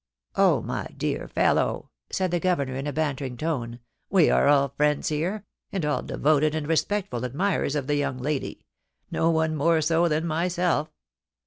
* Oh, my dear fellow !' said the Governor, in a bantering tone, * we are all friends here, and all devoted and respectful admirers of the young lady — no one more so than myself.